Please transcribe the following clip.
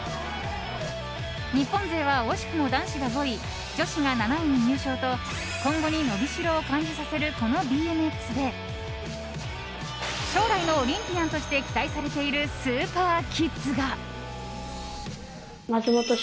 日本勢は惜しくも男子が５位女子が７位に入賞と今後に伸びしろを感じさせるこのＢＭＸで将来のオリンピアンとして期待されているスーパーキッズが。